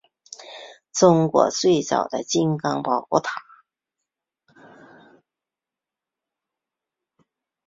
中国最早的金刚宝座塔造型出现在敦煌中北周石窟的壁画之上。